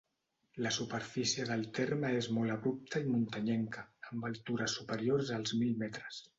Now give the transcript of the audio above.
La superfície del terme és molt abrupta i muntanyenca, amb altures superiors als mil metres.